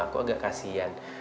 aku agak kasihan